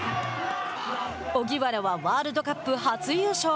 荻原はワールドカップ初優勝。